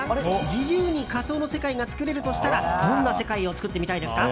自由に仮想の世界が作れるとしたらどんな世界を作ってみたいですか？